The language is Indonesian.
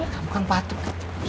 kamu kan patut